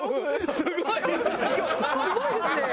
すごいですね。